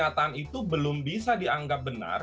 pernyataan itu belum bisa dianggap benar